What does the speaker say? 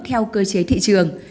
theo cơ chế thị trường